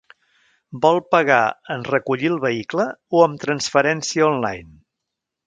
Vol pagar en recollir el vehicle o amb transferència online?